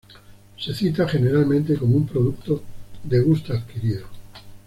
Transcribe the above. Se cita generalmente como un producto de gusto adquirido.